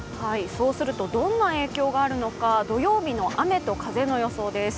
そうするとどんな影響があるのか、土曜日の雨と風の予想です。